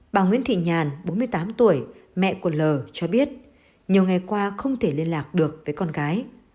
bà nguyễn thị nhàn bốn mươi tám tuổi mẹ của l cho biết nhiều ngày qua không thể liên lạc được với con gái